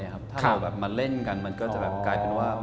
ถ้าเรามาเล่นกันมันก็จะแบบกลายเป็นว่า